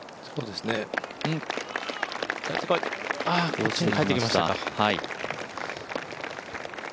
こっちに返ってきましたか。